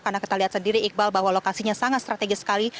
karena kita lihat sendiri iqbal bahwa lokasinya sangat strategis sekali